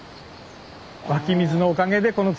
湧き水のおかげでこの釣り場が。